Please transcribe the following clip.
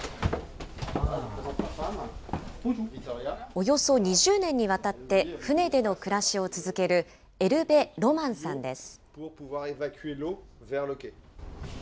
およそ２０年にわたって船での暮らしを続けるエルベ・ロマンさんです。